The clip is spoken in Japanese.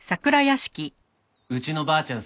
うちのばあちゃん